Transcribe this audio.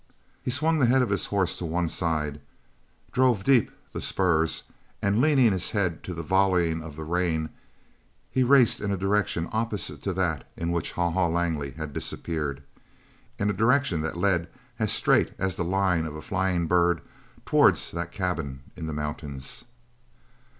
He swung the head of his horse to one side, drove deep the spurs, and leaning his head to the volleying of the rain he raced in a direction opposite to that in which Haw Haw Langley had disappeared, in a direction that led as straight as the line of a flying bird towards that cabin in the mountains.